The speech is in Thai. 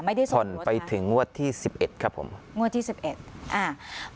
ผ่อนไปถึงงวดที่สิบเอ็ดครับผมงวดที่สิบเอ็ดอ่า